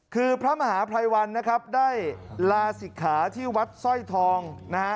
คือพระมหาภัยวันนะครับได้ลาศิกขาที่วัดสร้อยทองนะฮะ